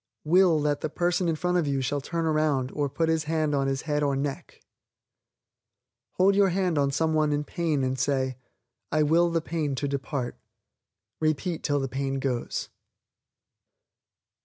Will that the person in front of you shall turn around or put his hand on his head or neck. Hold your hand on some one in pain and say, "I will the pain to depart." Repeat till the pain goes.